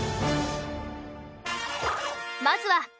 まずは。